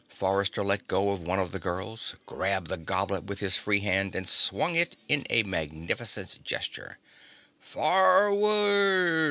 Forrester let go of one of the girls, grabbed the goblet with his free hand and swung it in a magnificent gesture. "Forward!"